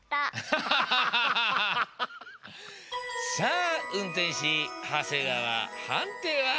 さあ運転士長谷川判定は？